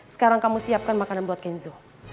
sekarang kamu siapkan makanan buat kenzo